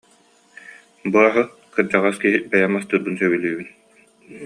«Бу аһы, кырдьаҕас киһи бэйэм астыырбын сөбүлүүбүн